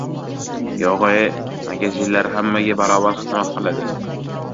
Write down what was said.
— Yo‘g‘-e. Magazinlar hammaga barobar xizmat qiladi.